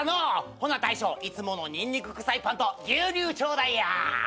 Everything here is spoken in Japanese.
ほな大将いつものニンニクくさいパンと牛乳ちょうだいや。